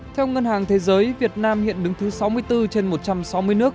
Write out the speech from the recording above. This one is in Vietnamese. theo ngân hàng thế giới việt nam hiện đứng thứ sáu mươi bốn trên một trăm sáu mươi nước